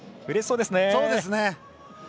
うれしそうですね。